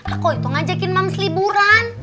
aku itu ngajakin moms liburan